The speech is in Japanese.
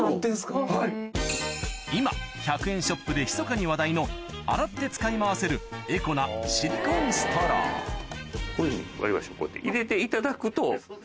今１００円ショップでひそかに話題の洗って使い回せるエコなここが。